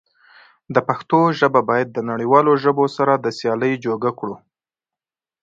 د پښتو ژبه بايد د نړيوالو ژبو سره د سيالی جوګه کړو.